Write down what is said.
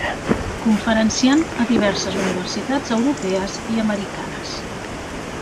Conferenciant a diverses universitats europees i americanes.